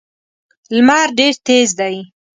لمر ډېر تېز دی.